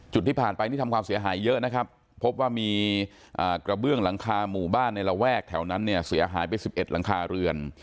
ที่ผ่านไปนี่ทำความเสียหายเยอะนะครับพบว่ามีกระเบื้องหลังคาหมู่บ้านในระแวกแถวนั้นเนี่ยเสียหายไป๑๑หลังคาเรือน